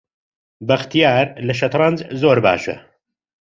بەختیار لە شەترەنج زۆر باشە.